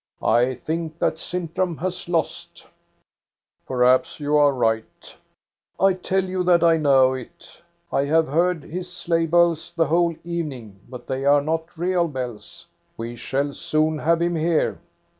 I think that Sintram has lost" " Perhaps you are right" " I tell you that I know it I have heard his sleigh bells the whole evening, but they are not real bells. We shall soon have him here."